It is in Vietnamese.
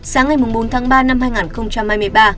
sáng ngày bốn tháng ba năm hai nghìn hai mươi ba